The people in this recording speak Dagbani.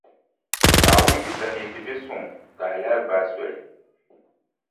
Naawuni yi sa neei ti biɛʼ suŋ ka a lahi gbaai soli.